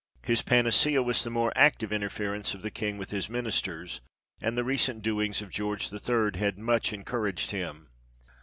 His panacea was the more active interference of the king with his ministers, and the recent doings of George III. had much encouraged him.